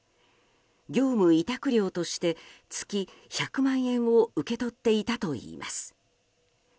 業務委託料として月１００万円を受け取っていたといいます。